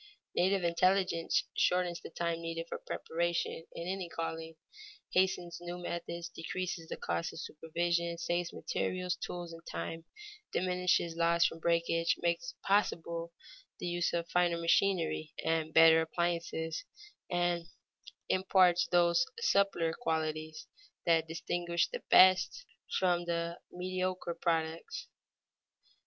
Native intelligence shortens the time needed for preparation in any calling; hastens new methods; decreases the cost of supervision; saves materials, tools, and time; diminishes loss from breakage; makes possible the use of finer machinery and better appliances, and imparts those subtler qualities that distinguish the best from the mediocre products.